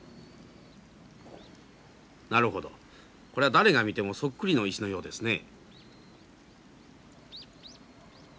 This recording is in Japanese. なるほどこれは誰が見てもそっくりの石のようですね。